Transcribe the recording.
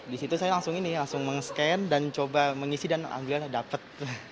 di situ saya langsung ini langsung meng scan dan coba mengisi dan ambilnya dapat